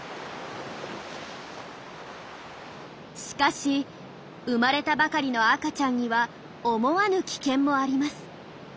しかし生まれたばかりの赤ちゃんには思わぬ危険もあります。